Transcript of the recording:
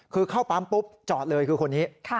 คือเข้าปั๊มปุ๊บจอดเลยคือคนนี้